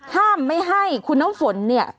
ห้ามไม่ให้คุณน้ำฝนเนี่ย